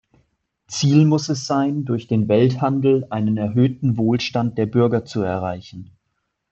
Ziel muss es sein, durch den Welthandel einen erhöhten Wohlstand der Bürger zu erreichen.